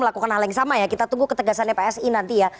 melakukan hal yang sama ya kita tunggu ketegasan dari psi nanti ya